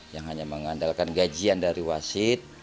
yang hanya mengandalkan gajian dari wasit